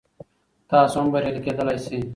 تاسو هم بریالی کیدلی شئ.